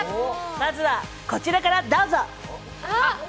まずは、こちらからどうぞ！